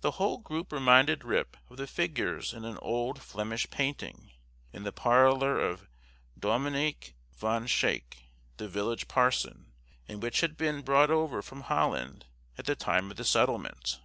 The whole group reminded Rip of the figures in an old Flemish painting, in the parlor of Dominie Van Schaick, the village parson, and which had been brought over from Holland at the time of the settlement.